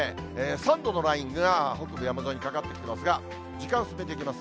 ３度のラインが北部山沿いにかかってきますが、時間進めていきます。